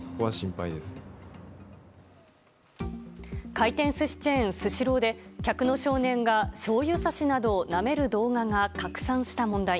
回転寿司チェーン、スシローで客の少年がしょうゆさしなどをなめる動画が拡散した問題。